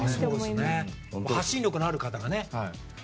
発信力のある方がね。